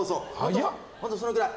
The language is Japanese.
本当そのくらい。